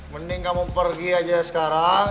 mending kamu pergi aja sekarang